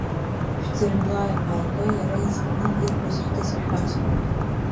Шәӡырҩла, ааигәа иара изкны ирҳәоз хҭыск шәасҳәоит.